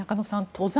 登山